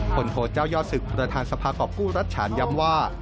ผลโทษเจ้ายอสึกประธานสภาคบกู้รัชฉานยำว่า